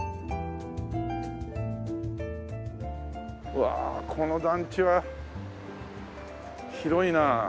うわこの団地は広いな。